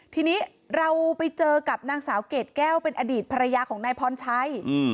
ทีนี้เราไปเจอกับนางสาวเกรดแก้วเป็นอดีตภรรยาของนายพรชัย